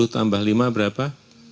sepuluh sepuluh tambah lima berapa